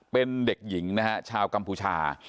เป็นเด็กหญิงนะฮะชาวกัมพูชา